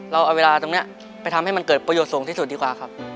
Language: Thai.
เราเอาเวลาตรงนี้ไปทำให้มันเกิดประโยชน์สูงที่สุดดีกว่าครับ